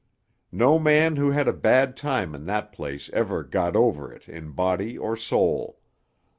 No man who had a bad time in that place ever 'got over' it in body or soul.